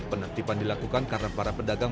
penertiban dilakukan karena para pedagang